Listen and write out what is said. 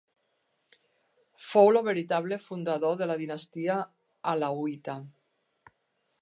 Fou el veritable fundador de la dinastia alauita.